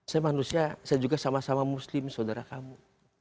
saya manusia saya juga sama sama muslim saudara kamu